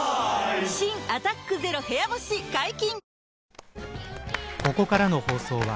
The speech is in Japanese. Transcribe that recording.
新「アタックＺＥＲＯ部屋干し」解禁‼